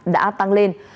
đã tăng lên